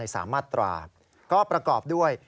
๓มาตราก็ประกอบด้วย